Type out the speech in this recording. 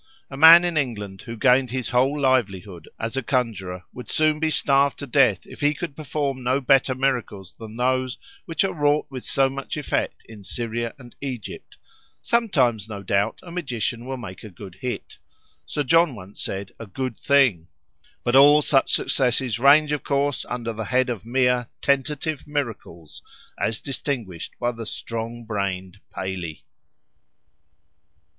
A man in England who gained his whole livelihood as a conjurer would soon be starved to death if he could perform no better miracles than those which are wrought with so much effect in Syria and Egypt; sometimes, no doubt, a magician will make a good hit (Sir John once said a "good thing"), but all such successes range, of course, under the head of mere "tentative miracles," as distinguished by the strong brained Paley.